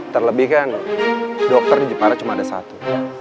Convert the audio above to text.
terlebih kan dokter di jepara cuma ada satu